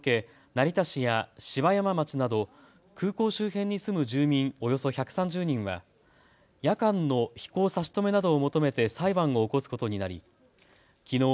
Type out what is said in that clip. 成田市や芝山町など空港周辺に住む住民およそ１３０人は夜間の飛行差し止めなどを求めて裁判を起こすことになりきのう